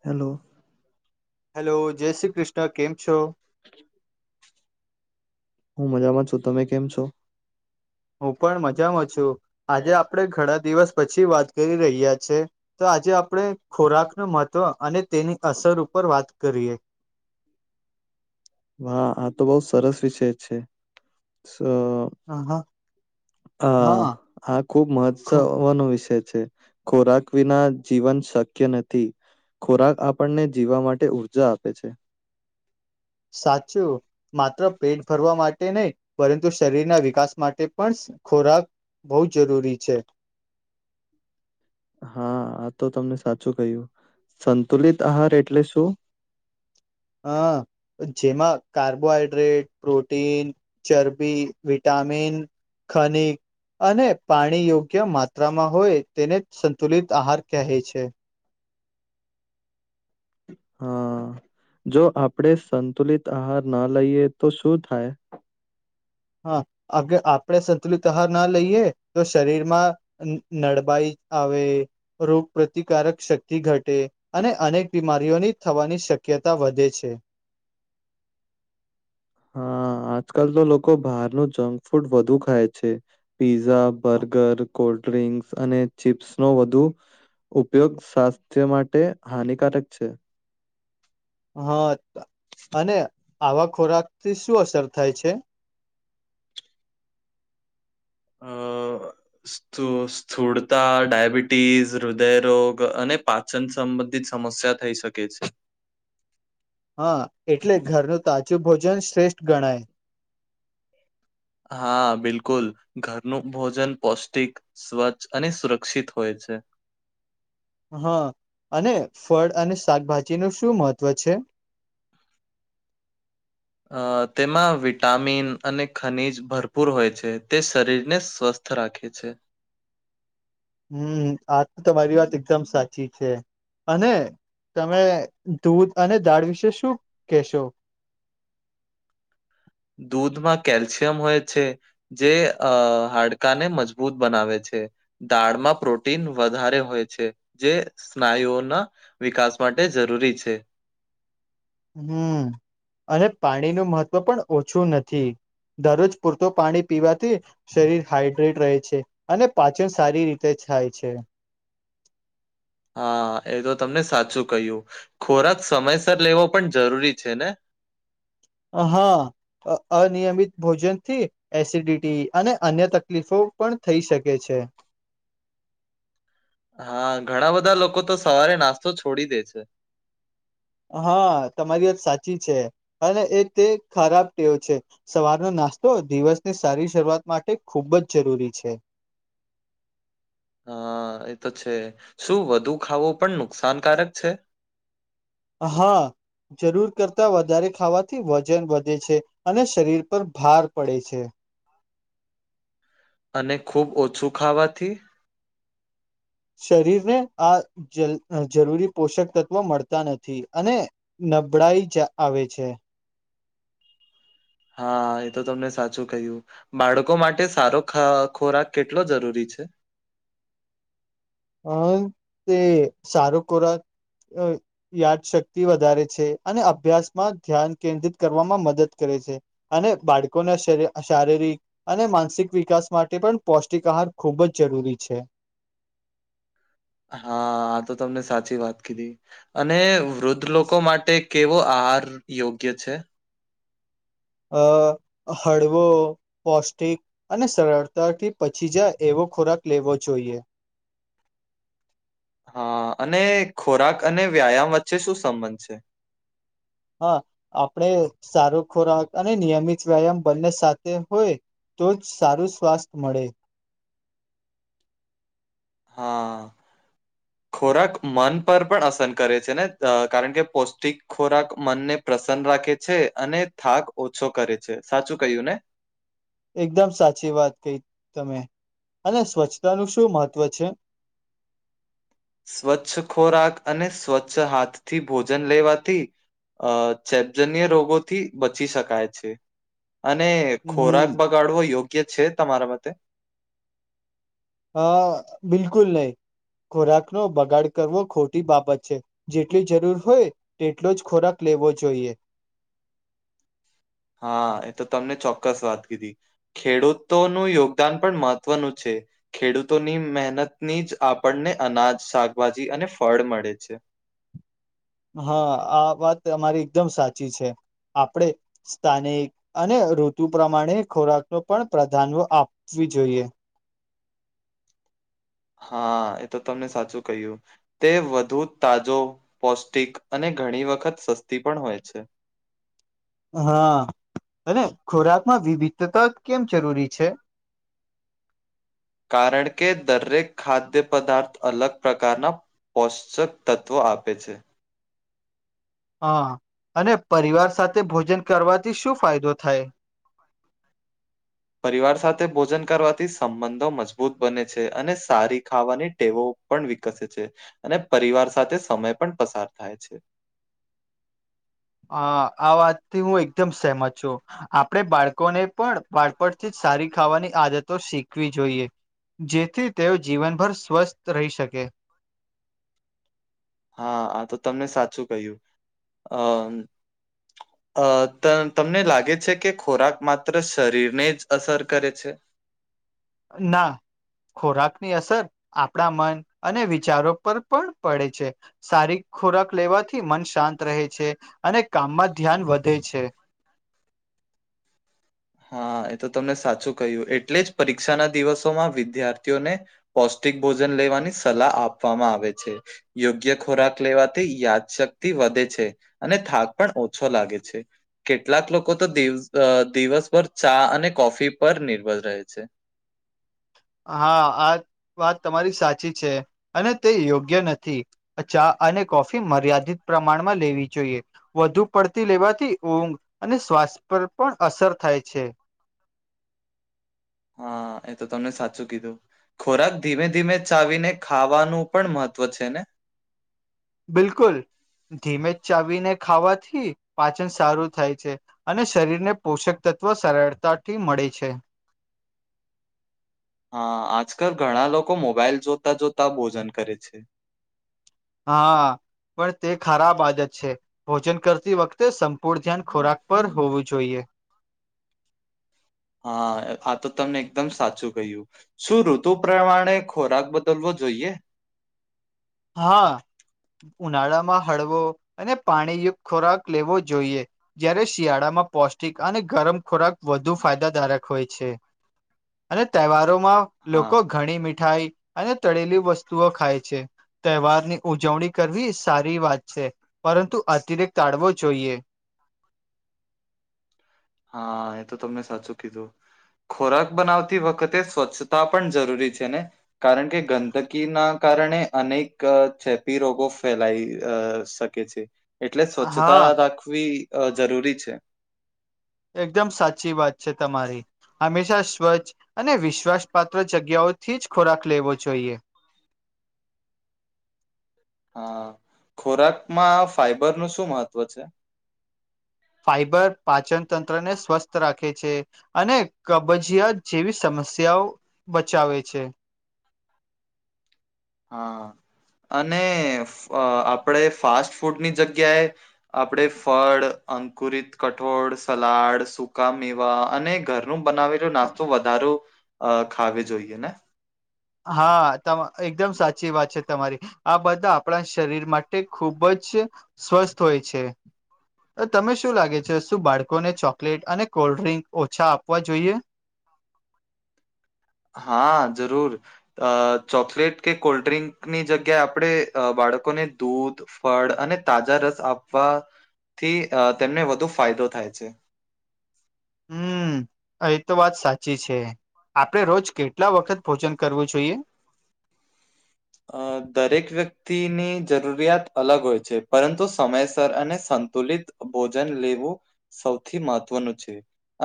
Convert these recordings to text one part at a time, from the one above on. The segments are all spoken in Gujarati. હેલો હેલો જય શ્રી કૃષ્ણ કેમ છો? હું મજામાં છું. તમે કેમ છો? હું પણ મજામાં છું આજે આપડે ઘણા દિવસ પછી વાત કરી રહ્યા છે. તો આજે આપણેે ખોરાક નુ મહત્ત્વ અને તેની અસર ઉપર વાત કરીએ. હા આ તો બહુ સરસ વિષય છે સ. હા હ હા આ ખુબ ખુ- મહત્વનો વિષય છે. ખોરાક વિના જીવન શક્ય નથી. ખોરાક આપણને જીવવા માટે ઉર્જા આપે છે. સાચું. માત્ર પેટ ભરવા માટે નહીં પરંતુ શરીરના વિકાસ માટે પણ ખોરાક બહુ જરૂરી છે. હા આ તો તમને સાચું ક્યું સંતુલિત આહાર એટલે શું હ જેમાં કાર્બોહાઈડ્રેટ પ્રોટીન ચરબી વિટામિન ખનિક અને પાણી યોગ્ય માત્રામાં હોય તેને સંતુલિત આહાર કહે છે. હા, જો આપડે સંતુલિત આહાર ના લઈએ તો શું થાય હા આગ આપણે સંતુલિત આહાર ના લઈએ તો શરીર માં નડબાઈ આવે રોગ પ્ર્રતિકારક શક્તિ ઘટે અને અનેક બીમારીઓની થવાની શક્યતા વધે છે. હા આજકાલ તો લોકો બહાર નુ જંક ફૂડ વધુ ખાય છે. પીઝા બર્ગર કોલ્ડ ડ્રિંક્સ અને ચીપ્સ નો વધુ ઉપયોગ સ્વાસ્થ્ય માટે હાનિકારક છે. હા અને આવા ખોરાક થી શું અસર થાય છે. અ. સ્ સ્થૂળતા ડાયાબિટીસ હૃદયરોગ અને પા વચન સંબંધિત સમસ્યા થઈ શકે છે. હા એટલે ઘરનું તાજું ભોજન શ્રેષ્ઠ ગણાય હા બિલકુલ ઘરનું ભોજન પૌષ્ટિક સ્વચ્છ અને સુરક્ષિત હોય છે. હા અને ફળ અને શાકભાજી નું શું મહત્વ છે. અ તેમાં વિટામિન અને ખનીજ ભરપૂર હોય છે તે શરીરને સ્વસ્થ રાખે છે. હમ આ તો તમારી વાત એકદમ સાચી છે. અને તમે દૂધ અને દાળ વિશે શું કેહેશો દૂધમાં કેલ્શિયમ હોય છે. જે અ હાડકાને મજબૂત બનાવે છે. દાળમાં પ્રોટીન વધારે હોય છે જે સ્નાયુઓના વિકાસ માટે જરૂરી છે. હમ અને પાણી નું મહત્વ પણ ઓછું નથી દરરોજ પૂરતો પાણી પીવાથી શરીર હાઈડ્રેટ રહે છે અને પાચન સારી રીતે થાય છે. હા એ તો તમને સાચું કહ્યું ખોરાક સમયસર લેવો પણ જરૂરી છે ને હા અ અનિયમિત ભોજન થી એસિડિટી અને અન્ય તકલીફો પણ થઈ શકે છે. હા ઘણા બધા લોકો તો સવારે નાસ્તો છોડી દે છે. હા તમારી વાત સાચી છે અને એ તે ખરાબ ટેવ છે. સવારનો નાસ્તો દિવસની સારી શરૂઆત માટે ખુબ જ જરૂરી છે. હા એ તો છે શું વધુ ખાવું પણ નુકસાનકારક છે. હા, જરૂર કરતા વધારે ખાવાથી વજન વધે છે, અને શરીર પર ભાર પડે છે. અને ખૂબ ઓછું ખાવાથી શરીર ને આ જરૂરી પોષક તત્વો મળતા નથી અને, નબળાઈ જા આવે છે. હા એ તો તમને સાચું કહ્યું. બાળકો માટે સારો ખોરાક કેટલો જરૂરી છે. હમ તે સારું ખોરાક, યાદશક્તિ વધારે છે અને અભ્યાસમાં ધ્યાન કેન્દ્રિત કરવામાં મદદ કરે છે. અને બાળકોને શરિ શારીરિક, અને માનસિક વિકાસ માટે પણ પૌષ્ટિક આહાર ખૂબ જ જરૂરી છ. હા આ તો તમે સાચી વાત કીધી અને વૃદ્ધ લોકો માટે, કેવો આહાર યોગ્ય છે? હળવો, પૌષ્ટિક, અને સરળતાથી પચી જાય એવો ખોરાક લેવો જોઈએ. હા અને ખોરાક અને વ્યાયામ વચ્ચે શું સંબંધ છે? હા આપણે સારો ખોરાક અને નિયમિત વ્યાયામ બંને સાથે હોય, તો જ સારું સ્વાસ્થ મળે. હા, ખોરાક મન પર પણ અસર કરે છે ને? કારણ કે પૌષ્ટિક, ખોરાક મનને પ્રસન્ન રાખે છે, અને થાક ઓછો કરે છે સાચું કહ્યું ને? એકદમ સાચી વાત કહી તમે અને સ્વચ્છતા નુ શું મહત્વ છે? સ્વચ્છ ખોરાક અને સ્વચ્છ હાથથી ભોજન લેવાથી, ચેપજન્ય રોગોથી બચી શકાય છે. અને હમ ખોરાક બગાડવો યોગ્ય છે? તમારા મતે, હા બિલકુલ નહીં ખોરાક નો બગાડ કરવો ખોટી બાબત છે. જેટલી જરૂર હોય તેટલો જ ખોરાક લેવો જોઈએ. હા એ તો તમે ચોક્કસ વાત કીધી. ખેડૂતોનું યોગદાન પણ મહત્વનું છે. ખેડૂતોની મહેનતથી જ આપણને અનાજ શાકભાજી અને ફળ મળે છે. હા આ વાત તમારી એકદમ સાચી છે, આપડે, સ્થાનિક અને ઋતુ પ્રમાણે ખોરાક નો પણ પ્રાધાન્ય આપવુ જોઈએ. હા એ તો તમે સાચું કહ્યું. તે વધુ તાજો, પૌષ્ટિક અને ઘણી વખત સસ્તી પણ હોય છે. હા અને ખોરાકમાં વિવિધતા કેમ જરૂરી છે? કારણ કે દરેક ખાદ્ય પદાર્થ અલગ પ્રકારના, પોષકતત્વ આપે છે. હા અને પરિવાર સાથે ભોજન કરવાથી શું ફાયદો થાય? પરિવાર સાથે ભોજન કરવાથી સંબંધો મજબૂત બને છે અને સારી ખાવાની ટેવો, પણ વિકસે છે અને પરિવાર સાથે સમય પણ પસાર થાય છે. હા આ વાતથી હું એકદમ સહેમત છું. આપણેે બાળકોને પણ બાળપણથી જ સારી ખાવાની આદતો શીખવવી જોઈએ. જેથી તેઓ જીવનભર સ્વસ્થ રહી શકે. હા આ તો તમને સાચું કહ્યું. અ તમને લાગે છે કે ખોરાક માત્ર શરીરને જ અસર કરે છે? ના. ખોરાકની અસર આપણા મન અને વિચારો પર પણ પડે છે. સારો ખોરાક લેવાથી મન શાંત રહે છે અને કામમાં ધ્યાન વધે છે. હા એ તો તમે સાચું કહ્યું એટલે જ પરીક્ષાના દિવસોમાં વિદ્યાર્થીઓને પૌષ્ટિક ભોજન લેવાની સલાહ આપવામાં આવે છે. યોગ્ય ખોરાક લેવાથી યાદશક્તિ વધે છે. અને થાક પણ ઓછો લાગે છે. કેટલાક લોકો તો દિવ દિવસ ભર ચા અને કોફી પર નિર્ભર રહે છે. હા આ વાત તમારી સાચી છે અને તે યોગ્ય નથી. ચા અને કોફી મર્યાદિત પ્રમાણમાં લેવી જોઈએ. વધુ પડતી લેવાથી ઊંઘ અને શ્વાસ પર પણ અસર થાય છે. હા એ તો તમે સાચું કીધું. ખોરાક ધીમે ધીમે ચાવીને ખાવાનું પણ મહત્વ છે ને? બિલકુલ ધીમે જ ચાવીને ખાવાથી પાચન સારું થાય છે. અને શરીર ને પોષક તત્વ સરળતાથી મળે છે. હા આજકાલ ઘણા લોકો મોબાઈલ જોતા જોતા ભોજન કરે છે. હા પણ તે ખરાબ આદત છે. ભોજન કરતી વખતે સંપૂર્ણ ધ્યાન ખોરાક પર હોવું જોઈએ. હા આ તો તમે એકદમ સાચું કહ્યું. શું ઋતુ પ્રમાણે ખોરાક બદલવો જોઈએ? હા ઉનાળામાં હળવો અને પાણીયુક્ત ખોરાક લેવો જોઈએ. જ્યારે શિયાળામાં પૌષ્ટિક અને ગરમ ખોરાક વધુ ફાયદાકારક હોય છે. અને તહેવારોમાં હા લોકો ઘણી મીઠાઈ અને તળેલી વસ્તુઓ ખાય છે. તહેવાર ની ઉજવણી કરવી સારી વાત છે પરંતુ અતિરેક ટાળવો જોઈએ. હા એ તો તમે સાચું કીધું. ખોરાક બનાવતી વખતે સ્વચ્છતા પણ જરૂરી છે ને? કારણ કે ગંદકીના કારણે અનેક અ ચેપી રોગો અ ફેલાય શક છે એટલે હા સ્વચ્છતા રાખવી જરૂરી છે. એકદમ સાચી વાત છે તમારી. હંમેશા સ્વચ્છ અને વિશ્વાસ પાત્ર જગ્યાએ થી જ ખોરાક લેવો જોઈએ. હા, ખોરાકમાં ફાઈબર નું શું મહત્વ છે? ફાઈબર પાચન તંત્ર ને સ્વસ્થ રાખે છે અને કબજીયાત જેવી સમસ્યાઓ બચાવે છે. હા અને આપણે ફાસ્ટ ફૂડની જગ્યાએ આપણે ફળ, અંકુરિત કઠોળ, સલાડ, સૂકા મેવા અને ધર નો બનાવેલો તો નાસ્તો વધારો ખાવે જોઈએ ને? હા એકદમ સાચી વાત છે તમારી. આ બધા આપણા શરીર માટે ખૂબ જ સ્વસ્થ હોય છે. તને શું લાગે છે શું બાળકોને ચોકલેટ અને કોલ્ડ્રિંકસ ઓછા આપવા જોઈએ? હા જરૂર. અ ચોકલેટ કે કોલ્ડ્રિંકસની જગ્યાએ આપણે બાળકોને દૂધ ફળ અને તાજા રસ આપવા થી તેમને વધુ ફાયદો થાય છે. હમ્મ. એ તો વાત સાચી છે, આપણે રોજ કેટલા વખત ભોજન કરવું જોઈએ? અ દરેક વ્યક્તિની જરૂરિયાત અલગ હોય છે, પરંતુ સમયસર અને સંતુલિત ભોજન લેવું સૌથી મહત્વનું છે,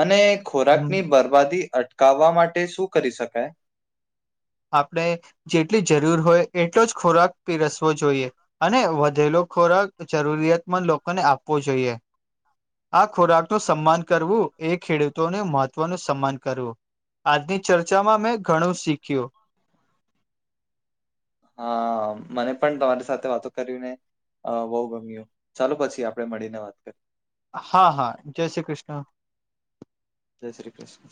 અને ખોરાક હમ. ની બરબાદી અટકાવવા માટે શું કરી શકાય? આપણે જેટલી જરૂર હોય, એટલો જ ખોરાક પીરસવો જોઈએ. અને વધેલો ખોરાક જરૂરિયાતમંદ લોકોને આપવો જોઈએ. આ ખોરાક નું સન્માન કરવું, એ ખેડૂતોને મહત્વનું સન્માન કરવું. આજની ચર્ચામાં મેં ઘણું શીખ્યું. હા, મને પણ તમારી સાથે વાતો કરવી ને બહુ ગમ્યું, ચાલો પછી આપણે મળીને વાત કરી. હા, હા, જય શ્રી કૃષ્ણ. જય શ્રી કૃષ્ણ.